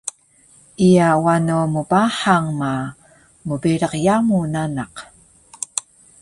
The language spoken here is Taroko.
Iya wano mbahang ma mberiq yamu nanak